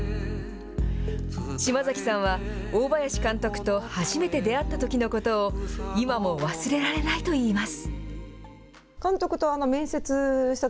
島崎さんは大林監督と初めて出会ったときのことを、今も忘れられないといいます。